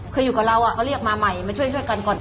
คืออยู่กับเราก็เรียกมาใหม่มาช่วยกันก่อน